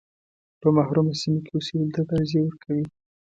په محرومه سیمه کې اوسېدلو ته ترجیح ورکوي.